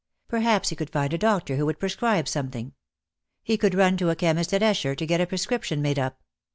Perhaps he could find a doctor who would prescribe something. He could run to a chemist at Esher to get a prescription made up.